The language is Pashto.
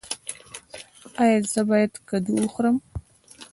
ایا زه باید کدو وخورم؟